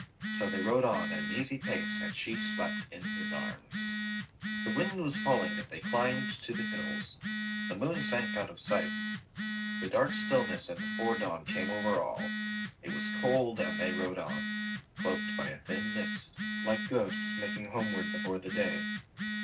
So they rode on at an easy pace and she slept in his arms. The wind was falling as they climbed to the hills. The moon sank out of sight. The dark stillness of the foredawn came over all. It was cold and they rode on, cloaked by a thin mist, like ghosts making homeward before the day.